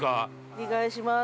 ◆お願いします。